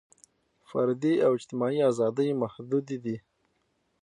فردي او اجتماعي ازادۍ محدودې دي.